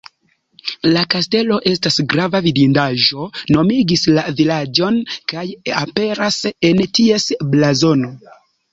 La kastelo estas grava vidindaĵo, nomigis la vilaĝon kaj aperas en ties blazono.